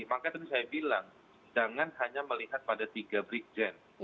maka tadi saya bilang jangan hanya melihat pada tiga brigjen